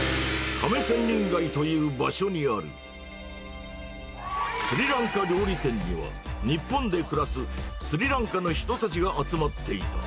亀仙人街という場所にある、スリランカ料理店では、日本で暮らすスリランカの人たちが集まっていた。